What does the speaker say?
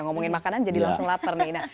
ngomongin makanan jadi langsung lapar nih